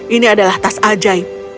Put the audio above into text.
ini adalah tas ajaib